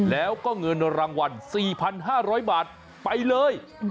แล้วก็เงินรางวัล๔๕๐๐บาทไปเลย